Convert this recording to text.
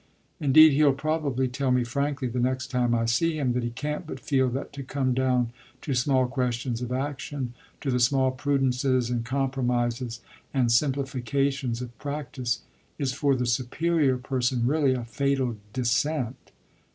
Indeed he'll probably tell me frankly the next time I see him that he can't but feel that to come down to small questions of action to the small prudences and compromises and simplifications of practice is for the superior person really a fatal descent.